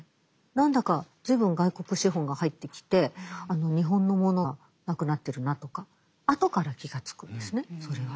何だか随分外国資本が入ってきて日本のものがなくなってるなとか後から気がつくんですねそれは。